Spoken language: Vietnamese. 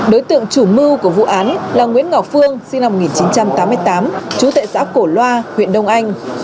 đối tượng chủ mưu của vụ án là nguyễn ngọc phương sinh năm một nghìn chín trăm tám mươi tám trú tại xã cổ loa huyện đông anh